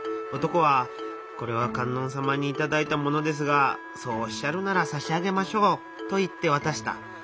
男は「これは観音さまにいただいたものですがそうおっしゃるならさし上げましょう」と言ってわたした。